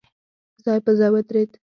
ځای په ځای ودرېد.